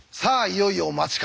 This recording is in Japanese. いよいよお待ち